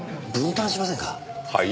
はい？